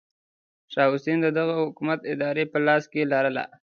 شاه حسین د دغه حکومت اداره په لاس کې لرله.